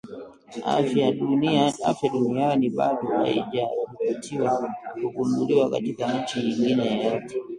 Afya Duniani bado haijaripotiwa kugunduliwa katika nchi nyingine yoyote